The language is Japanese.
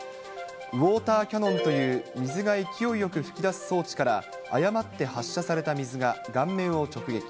ウォーターキャノンという水が勢いよく噴き出す装置から誤って発射された水が顔面を直撃。